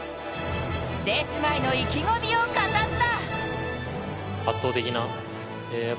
レース前の意気込みを語った。